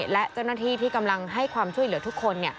และเจ้าหน้าที่ที่กำลังให้ความช่วยเหลือทุกคน